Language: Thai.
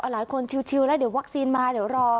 หลายคนชิวแล้วเดี๋ยววัคซีนมาเดี๋ยวรอ